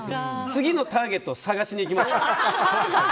次のターゲットを探しに行きますから。